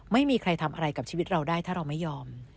ไม่มีใครทำอะไรกับชีวิตเราได้ถ้าเราไม่ยอม